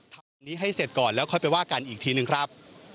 วันนี้ให้เสร็จก่อนแล้วก่อนไปว่ากันอีกทีนึงครับ